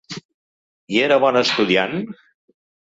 I era bon estudiant?